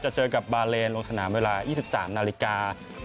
เจอกับบาเลนลงสนามเวลา๒๓นาฬิกา